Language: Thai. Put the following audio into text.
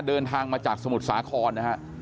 เดินทางมาจากสมุทรสาครนะฮะ